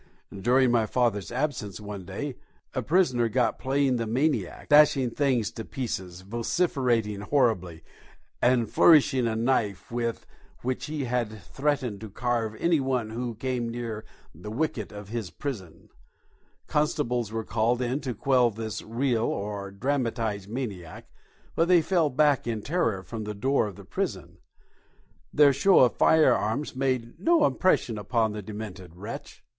During my father's absence one day a prisoner got playing the maniac, dashing things to pieces, vociferating horribly, and flourishing a knife with which he had threatened to carve any one who came near the wicket of his prison, Constables were called in to quell this real or dramatised maniac, but they fell back in terror from the door of the prison. Their show of firearms made no impression upon the demented wretch.